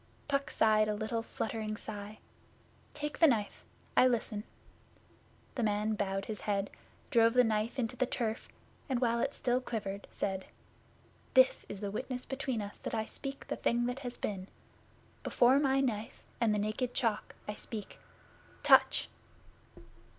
Puck sighed a little fluttering sigh. 'Take the knife. I listen.' The man bowed his head, drove the knife into the turf, and while it still quivered said: 'This is witness between us that I speak the thing that has been. Before my Knife and the Naked Chalk I speak. Touch!